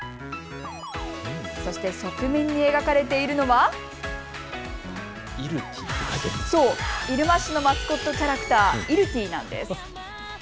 そして側面に描かれているのは入間市のマスコットキャラクターいるティーなんです。